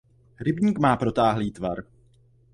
Rybník má protáhlý tvar.